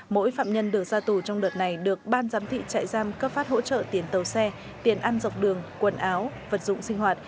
mỗi phạm nhân được ra tù trong đợt này được ban giám thị trại giam cấp phát hỗ trợ tiền tàu xe tiền ăn dọc đường quần áo vật dụng sinh hoạt